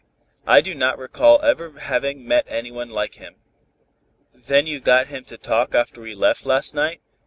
I do not recall ever having met any one like him." "Then you got him to talk after we left last night.